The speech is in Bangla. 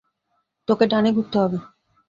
তোকে ডানে ঘুরতে হবে।